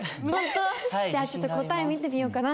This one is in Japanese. じゃあちょっと答え見てみようかな。